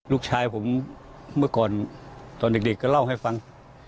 ลูกชายผมเมื่อก่อนตอนเด็กก็เล่าให้ฟัง